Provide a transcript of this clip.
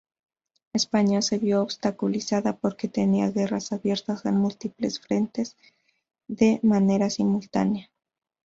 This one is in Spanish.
España se vio obstaculizada porque tenía guerras abiertas en múltiples frentes de manera simultánea.